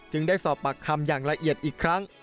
ได้สอบปากคำอย่างละเอียดอีกครั้ง